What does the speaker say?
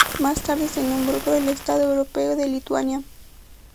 Más tarde se nombró por el estado europeo de Lituania.